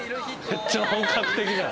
めっちゃ本格的だ。